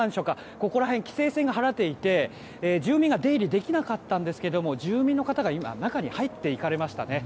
ここら辺、規制線が張られていて住民が出入りできなかったですが住民の方が今、中に入っていかれましたね。